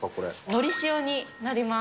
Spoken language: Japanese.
のり塩になります。